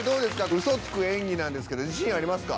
うそつく演技なんですけど自信ありますか？